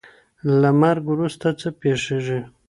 له مرګ وروسته څه پیښیږي؟